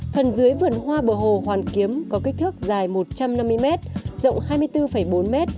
phần dưới vườn hoa bờ hồ hoàn kiếm có kích thước dài một trăm năm mươi m rộng hai mươi bốn bốn m